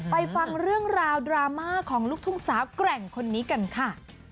ฟังเรื่องราวดราม่าของลูกทุ่งสาวแกร่งคนนี้กันค่ะ